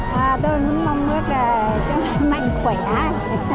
tôi muốn mong rất là sức mạnh khỏe